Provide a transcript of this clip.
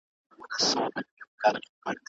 ما په دلارام کي یو پخوانی تاریخي ځای ولیدی.